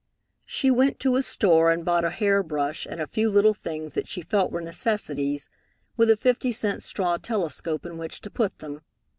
She went to a store and bought a hair brush and a few little things that she felt were necessities, with a fifty cent straw telescope in which to put them.